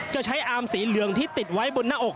จะใช้อามสีเหลืองที่ติดไว้บนหน้าอก